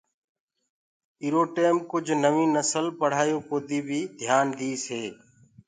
اِترا سڦرو مي ڪُج نوينٚ نسل پڙهآيو ڪودي بي ڌِيآن ديٚس هي۔